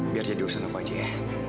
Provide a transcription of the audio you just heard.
biar jadi urusan apa aja ya